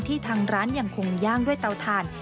ทางร้านยังคงย่างด้วยเตาถ่าน